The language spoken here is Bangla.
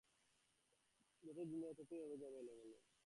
যতই দিন যাবে ততই সব এলোমেলো হয়ে যাবে।